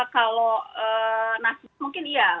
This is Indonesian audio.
kalau nasdem mungkin iya